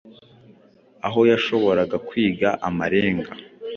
aho yashoboraga kwiga amarenga